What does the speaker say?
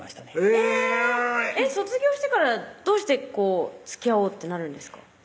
えぇ卒業してからどうしてこうつきあおうってなるんですか？